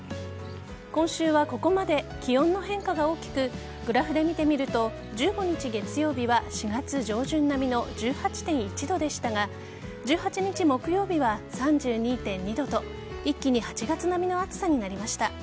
今週はここまで気温の変化が大きくグラフで見てみると１５日月曜日は４月上旬並みの１８．１度でしたが１８日木曜日は３２．２度と一気に８月並みの暑さになりました。